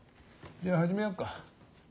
じゃあ始めようか。